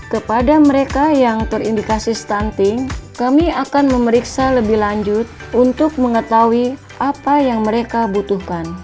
kepada mereka yang terindikasi stunting kami akan memeriksa lebih lanjut untuk mengetahui apa yang mereka butuhkan